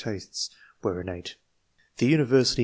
tastes were innate. The university, III.